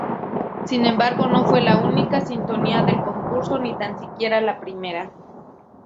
Sin embargo, no fue la única sintonía del concurso, ni tan siquiera la primera.